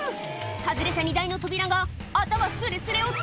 外れた荷台の扉が頭すれすれを通過